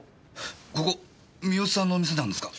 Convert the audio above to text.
ここ三好さんのお店なんですか？